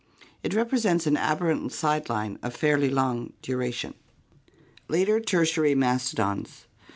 It represents an aberrant side line of fairly long duration. Later Tertiary Mastodons